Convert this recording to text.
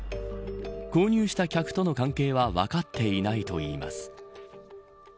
購入した客との関係は分かっていないといいます。